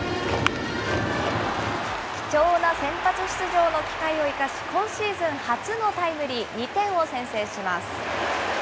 貴重な先発出場の機会を生かし、今シーズン初のタイムリー、２点を先制します。